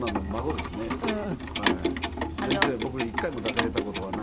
全然僕に一回も抱かれた事がない。